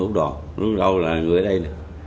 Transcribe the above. người ta thường đi dưới úc đòn lúc đầu là người ở đây